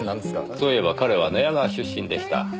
そういえば彼は寝屋川出身でした。